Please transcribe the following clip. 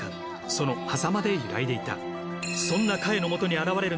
その狭間で揺らいでいた。